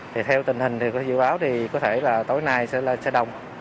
thì theo tình hình thì có dự báo thì có thể là tối nay sẽ đông